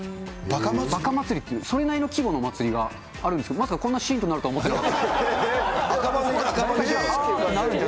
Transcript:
ばかまつりっていう、それなりの規模のお祭りがあるんですけど、まさかこんなしーんとなるとは思ってなかった。